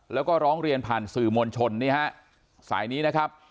แล้วก็ร้องเรียนผ่านสื่อมวลชนนี่ฮะสายนี้นะครับ